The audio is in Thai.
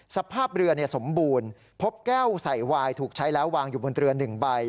สภาพเรือสมบูรณ์พบแก้วใส่วายถูกใช้แล้ววางอยู่บนเรือ๑ใบ